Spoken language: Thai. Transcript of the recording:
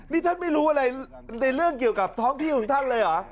นี่ท่านไม่รู้อะไรในเรื่องเกี่ยวกับท้องที่ของท่านเลยเหรอ